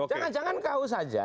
jangan jangan kau saja